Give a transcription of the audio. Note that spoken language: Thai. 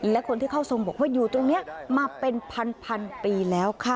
และคนที่เข้าทรงบอกว่าอยู่ตรงนี้มาเป็นพันปีแล้วค่ะ